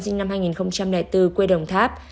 sinh năm hai nghìn bốn quê đồng tháp